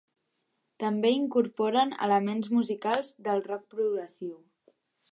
També incorporen elements musicals del rock progressiu.